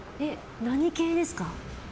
何系ですか？